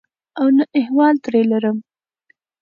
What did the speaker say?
او نه احوال ترې لرم.